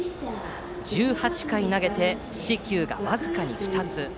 １８回投げて四死球が僅かに２つ。